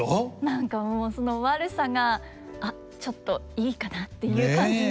何かその悪さが「あっちょっといいかな」っていう感じに。